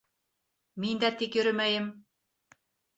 Мин дә тик йөрөмәйем.